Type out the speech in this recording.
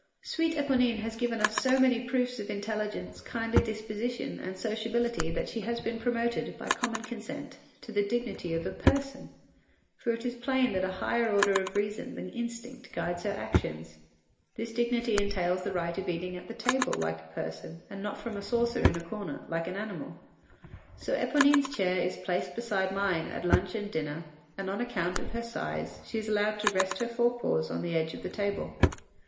Sweet Eponine has given us so many proofs of intelligence, kindly disposition, and sociability that she has been promoted, by common consent, to the dignity of a person, for it is plain that a higher order of reason than instinct guides her actions. This dignity entails the right of eating at table like a person, and not from a saucer in a corner, like an animal. So Eponine’s chair is placed beside mine at lunch and dinner, and on account of her size she is allowed to rest her fore paws upon the edge of the table.